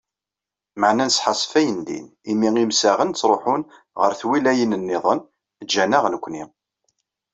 "Meεna nesḥassef ayendin, imi imsaɣen ttruḥun ɣer twilayin-nniḍen, ǧǧan-aɣ nekkni."